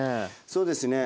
そうですね。